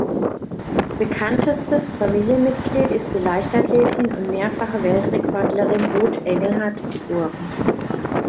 Bekanntestes Familienmitglied ist die Leichtathletin und mehrfache Weltrekordlerin Ruth Engelhard geb.